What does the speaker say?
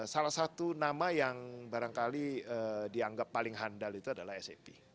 salah satu nama yang barangkali dianggap paling handal itu adalah sap